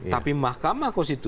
tapi makamah konstitusi